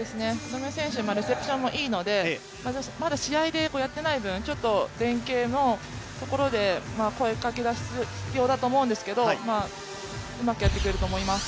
レセプションもいいので、まだ試合でやっていない分、ちょっと連係のところで声かけが必要だと思うんですけどうまくやってくれると思います。